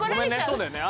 そうだよね。